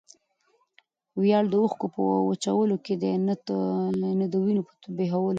ویاړ د اوښکو په وچولو کښي دئ؛ نه دوینو په بهېودلو کښي.